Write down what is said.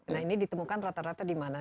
nah ini ditemukan rata rata di mana